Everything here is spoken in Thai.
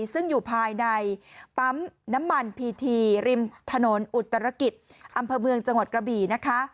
ซึ่งอยู่ภายในปั๊มน้ำมันพีทีริมถนนอุตรกิจอำเภอเมืองจังหวัดกระบี่นะคะ